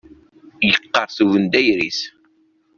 Yeqqerṣ ubendayer-is.